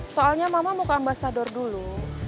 soalnya mama mau ke ambasador dulu